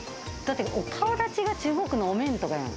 お顔立ちが中国のお面とかやん。